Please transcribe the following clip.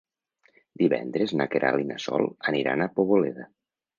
Divendres na Queralt i na Sol aniran a Poboleda.